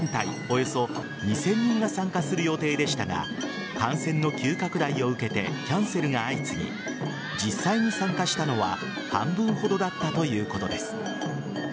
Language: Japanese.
およそ２０００人が参加する予定でしたが感染の急拡大を受けてキャンセルが相次ぎ実際に参加したのは半分ほどだったということです。